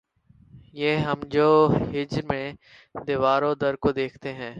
یہ ہم جو ہجر میں‘ دیوار و در کو دیکھتے ہیں